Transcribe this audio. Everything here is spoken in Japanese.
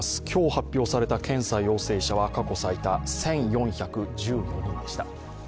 今日発表された検査陽性者は過去最多、１４１４人でした。